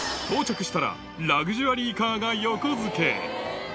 到着したら、ラグジュアリーカーが横付け。